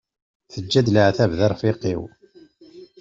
Teǧǧa-d leɛtab d arfiq-iw.